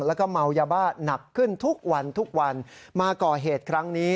และเมายาบ้าหนักขึ้นทุกวันมาก่อเหตุครั้งนี้